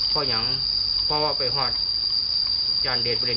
เพราะอย่างพ่อไปฮาดอาจารย์เด็ดไปเรียน